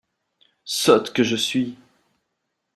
Sotte que je suis !